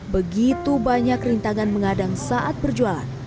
begitu banyak rintangan mengadang saat berjualan